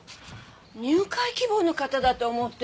入会希望の方だと思ってた。